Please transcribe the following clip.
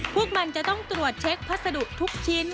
พวกมันจะต้องตรวจเช็คพัสดุทุกชิ้น